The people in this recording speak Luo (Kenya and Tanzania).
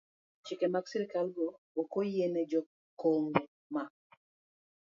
Chike mag sirkalgo ok oyiene jo Kongo ma